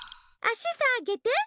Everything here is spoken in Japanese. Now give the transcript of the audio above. あしさげて！